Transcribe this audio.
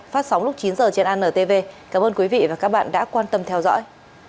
phát sóng lúc chín h trên antv cảm ơn quý vị và các bạn đã quan tâm theo dõi